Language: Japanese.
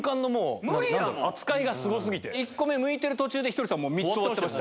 １個目むいてる途中でひとりさん３つ終わってました。